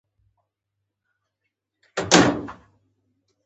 ایا زه باید شات وخورم؟